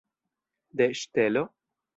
De ŝtelo?